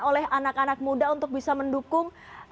oleh anak anak muda untuk bisa mendukung